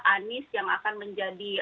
anies yang akan menjadi